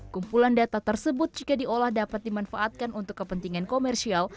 kumpulan data tersebut jika diolah dapat dimanfaatkan untuk kepentingan komersial